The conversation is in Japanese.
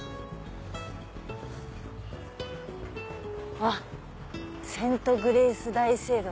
あっセントグレース大聖堂。